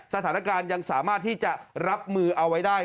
สถานการณ์ยังสามารถที่จะรับมือเอาไว้ได้